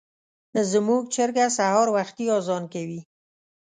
زموږ چرګه سهار وختي اذان کوي.